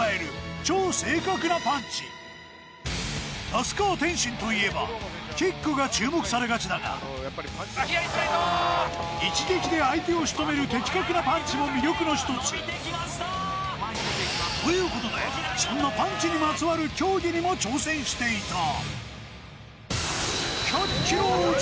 那須川天心といえば、キックが注目されがちだが一撃で相手を仕留める劇的なパンチも魅力の１つ。ということで、そんなパンチにまつわる競技にも挑戦していた。